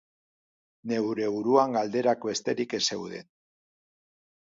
Neure buruan galderak besterik ez zeuden.